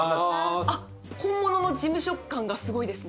本物の事務所感がすごいですね。